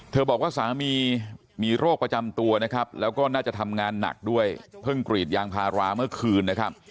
บอกว่าสามีมีโรคประจำตัวนะครับแล้วก็น่าจะทำงานหนักด้วยเพิ่งกรีดยางพาราเมื่อคืนนะครับ